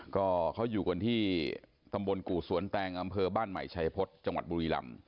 ก็เขาอยู่กันที่ตำบลกู่สวนแตงอำเภอบ้านใหม่ชัยพฤษจังหวัดบุรีลำ